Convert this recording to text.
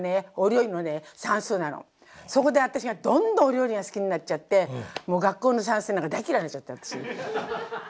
そこで私がどんどんお料理が好きになっちゃって学校の算数なんか大嫌いになっちゃった私。